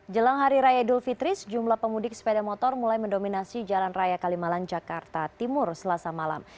jelang hari raya idul fitri sejumlah pemudik sepeda motor mulai mendominasi jalan raya kalimalang jakarta timur selasa malam